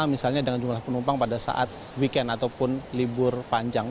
misalnya dengan jumlah penumpang pada saat weekend ataupun libur panjang